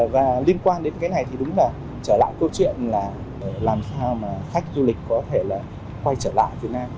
và liên quan đến cái này thì đúng là trở lại câu chuyện là làm sao mà khách du lịch có thể là quay trở lại việt nam